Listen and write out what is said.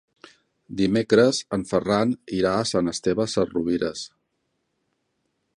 Dimecres en Ferran irà a Sant Esteve Sesrovires.